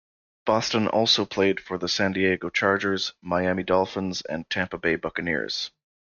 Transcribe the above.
Boston also played for the San Diego Chargers, Miami Dolphins, and Tampa Bay Buccaneers.